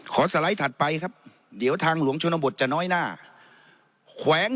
สไลด์ถัดไปครับเดี๋ยวทางหลวงชนบทจะน้อยหน้าแขวง